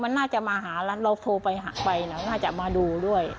เราโทรไปหาไปน่าว่าจะมาดูด้วย